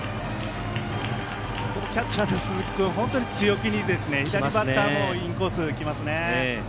キャッチャーの鈴木君に本当に強気に左バッターもインコース行きますね。